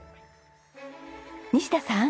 西田さん。